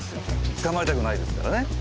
捕まりたくないですからね。